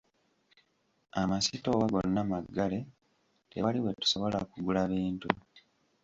Amasitoowa gonna maggale tewali we tusobola kugula bintu.